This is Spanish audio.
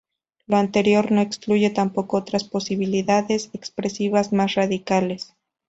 Lo anterior no excluye tampoco otras posibilidades expresivas más radicales.